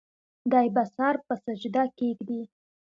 دے به سر پۀ سجده کيږدي